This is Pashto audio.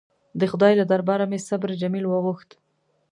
د خدای له درباره مې صبر جمیل وغوښت.